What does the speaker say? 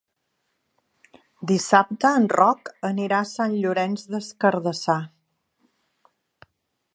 Dissabte en Roc anirà a Sant Llorenç des Cardassar.